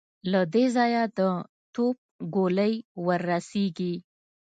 له دې ځايه د توپ ګولۍ ور رسېږي.